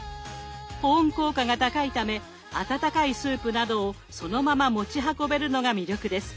保温効果が高いため温かいスープなどをそのまま持ち運べるのが魅力です。